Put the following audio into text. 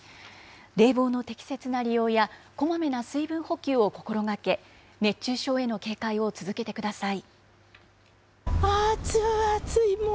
冷房の適切な利用やこまめな水分補給を心がけ、熱中症への警戒を続けてください。